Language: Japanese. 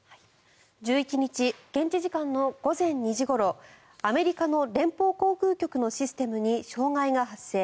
１１日現地時間の午前２時ごろアメリカの連邦航空局のシステムに障害が発生。